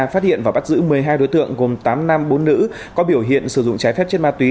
phát hiện và bắt giữ một mươi hai đối tượng gồm tám nam bốn nữ có biểu hiện sử dụng trái phép chất ma túy